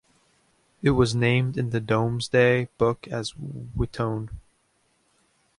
It was named in the Domesday Book as Witone.